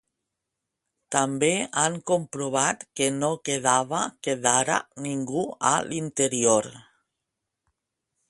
També han comprovat que no quedava quedara ningú a l’interior.